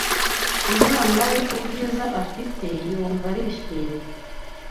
umwana we ubwiza afite yumva arishimye